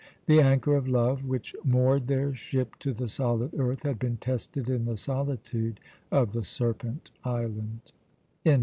The anchor of love, which moored their ship to the solid earth, had been tested in the solitude of the Serpent Island.